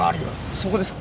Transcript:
そこですか？